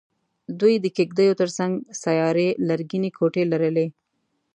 دوی د کېږدیو تر څنګ سیارې لرګینې کوټې لرلې.